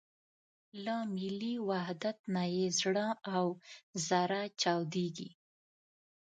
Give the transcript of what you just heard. له ملي وحدت نه یې زړه او زره چاودېږي.